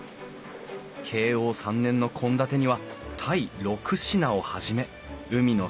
慶応３年の献立には鯛６品を始め海の幸が１４種。